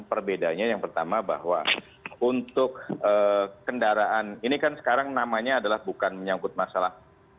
perbedaannya yang pertama bahwa untuk kendaraan ini kan sekarang namanya adalah bukan menyangkut masalah